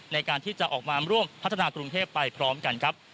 ในการที่จะออกมาร่วมพัฒนากรุงเทพไปพร้อมกันครับ